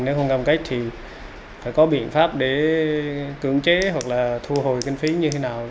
nếu không cam cách thì phải có biện pháp để cưỡng chế hoặc là thu hồi kinh phí như thế nào